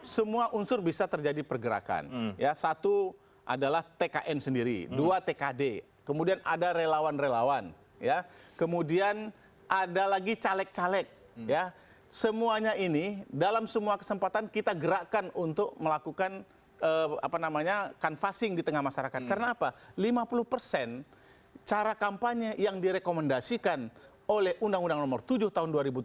sebenarnya nggak mengada ngada saya